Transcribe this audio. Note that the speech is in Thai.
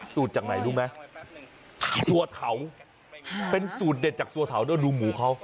สูตรจากไหนรู้ไหมตัวเถาเป็นสูตรเด็ดจากตัวเถาแล้วดูหมูเขา